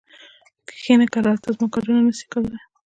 کښینه کرار! ته زما کارونه نه سې کولای.